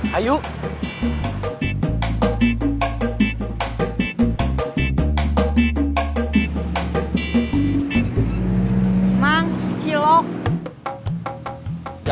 kalau ini autor sangat berharga